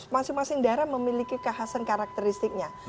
masing masing daerah memiliki kehasan karakteristiknya